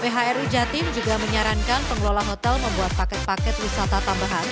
phri jatim juga menyarankan pengelola hotel membuat paket paket wisata tambahan